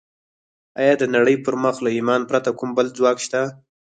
ایا د نړۍ پر مخ له ایمانه پرته کوم بل ځواک شته